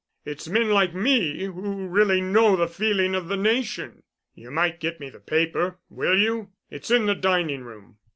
It's men like me who really know the feeling of the nation. You might get me the paper, will you it's in the dining room."